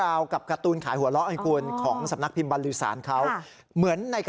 มีต้นมะพร้าวหรอก